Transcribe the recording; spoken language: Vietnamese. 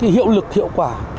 hiệu lực hiệu quả